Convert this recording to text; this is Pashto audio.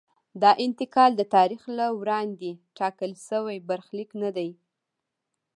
دا انتقال د تاریخ له وړاندې ټاکل شوی برخلیک نه دی.